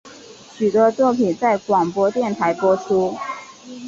许多作品在广播电台播出。